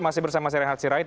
masih bersama saya rehat sirait